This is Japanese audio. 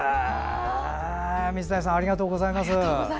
水谷さんありがとうございます。